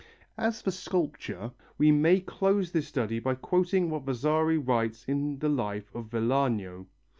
As for sculpture, we may close this study by quoting what Vasari writes in the life of Vellano.